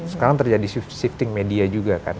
sekarang terjadi shifting media juga kan